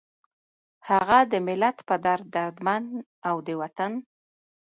هغه د ملت پۀ دړد دردمند، او د وطن